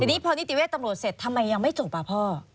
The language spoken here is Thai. ทีนี้พอนิติเวทย์ตำรวจเสร็จทำไมยังไม่จบอ่ะพ่อ